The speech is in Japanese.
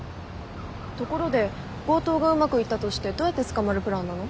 ところで強盗がうまくいったとしてどうやって捕まるプランなの？